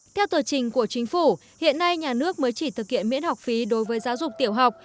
theo tờ trình của chính phủ hiện nay nhà nước mới chỉ thực hiện miễn học phí đối với giáo dục tiểu học